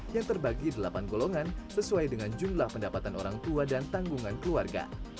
yang terbagi delapan golongan sesuai dengan jumlah pendapatan orang tua dan tanggungan keluarga